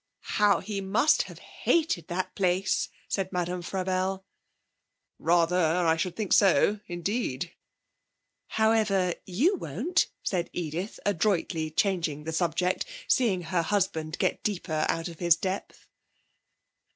'How he must have hated that place!' said Madame Frabelle. 'Rather. I should think so indeed.' 'However, you won't,' said Edith adroitly changing the subject, seeing her husband getting deeper out of his depth.